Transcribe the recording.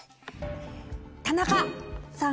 田中さん。